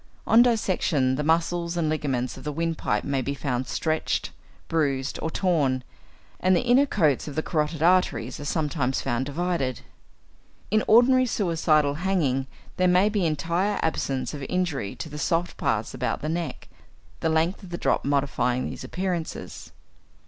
On dissection the muscles and ligaments of the windpipe may be found stretched, bruised, or torn, and the inner coats of the carotid arteries are sometimes found divided. In ordinary suicidal hanging there may be entire absence of injury to the soft parts about the neck, the length of the drop modifying these appearances.